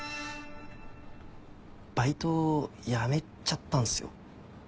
バイト辞めちゃったんすよ。